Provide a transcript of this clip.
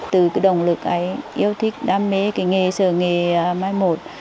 từ cái động lực ấy yêu thích đam mê cái nghề sở nghề mai một